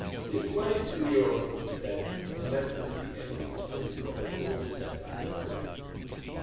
"This way, Señors," he said, and led them to the end of the place where a broad step ladder stood.